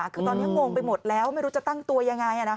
คือตอนนี้งงไปหมดแล้วไม่รู้จะตั้งตัวยังไง